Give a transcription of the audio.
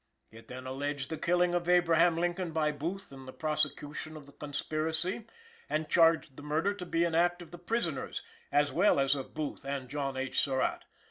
It then alleged the killing of Abraham Lincoln by Booth in the prosecution of the conspiracy, and charged the murder to be the act of the prisoners, as well as of Booth and John H. Surratt.